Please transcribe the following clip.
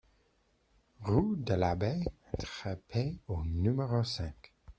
Rue de l'Abbé Trapet au numéro cinq